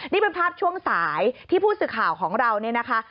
นี่เป็นภาพช่วงสายที่ผู้สื่อข่าวของเราเนี่ยนะคะ